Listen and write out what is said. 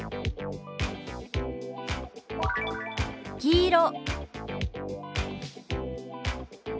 「黄色」。